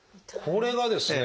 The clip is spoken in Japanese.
これがですね